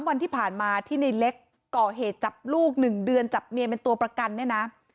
วันที่ผ่านมาที่ในเล็กก่อเหตุจับลูก๑เดือนจับเมียเป็นตัวประกันเนี่ยนะ